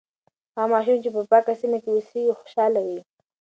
هغه ماشوم چې په پاکه سیمه کې اوسیږي، خوشاله وي.